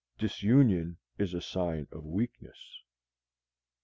Disunion is a sign of weakness.